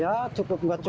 ya cukup nggak cukup